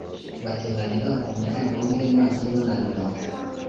Bateranira ku muryango w’ ihema ry’ ibonaniro